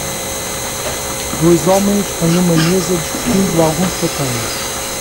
Dois homens em uma mesa discutindo alguns papéis.